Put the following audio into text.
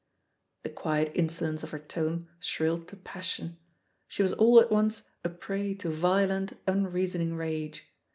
The quiet in solence of her tone shrilled to passion. She was all at once a prey to violent, unreasoning rage.